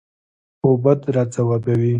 په بد راځوابوي.